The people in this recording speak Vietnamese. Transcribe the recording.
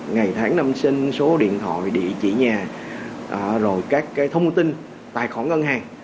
ngày tháng năm sinh số điện thoại địa chỉ nhà rồi các thông tin tài khoản ngân hàng